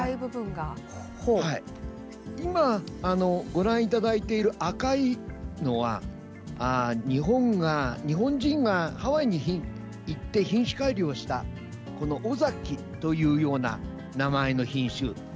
今、ご覧いただいている赤いのは日本人がハワイに行って品種改良したこのオザキというような名前の品種です。